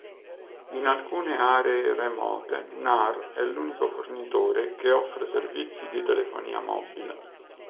In alcune aree remote Nar è l'unico fornitore che offre servizi di telefonia mobile.